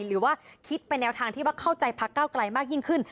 หรือว่าคิดเป็นแนวทางที่ว่าเข้าใจพักเก้าไกลมากยิ่งขึ้น